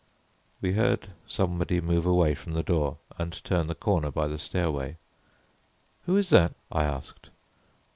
We heard somebody move away from the door and turn the corner by the stairway. "Who is that?" I asked.